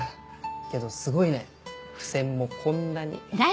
けどすごいね付箋もこんなに。